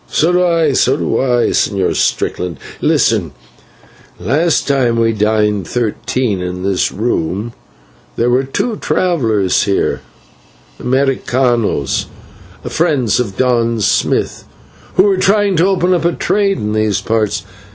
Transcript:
"So do I, so do I, Señor Strickland. Listen; last time we dined thirteen in this room, there were two travellers here, /Americanos/, friends of Don Smith, who were trying to open up a trade in these parts.